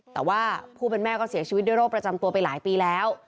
แต่ว่าผู้เป็นแม่ก็เสียชีวิตด้วยโรคประจำตัวไปหลายปีแล้ว